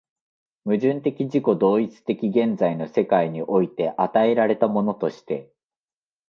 矛盾的自己同一的現在の世界において与えられたものとして、